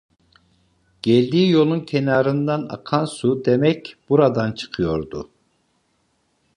Geldiği yolun kenarından akan su, demek buradan çıkıyordu.